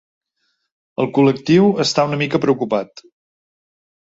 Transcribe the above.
El col·lectiu està una mica preocupat.